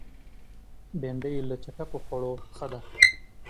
بېنډۍ له چټکو خوړو ښه ده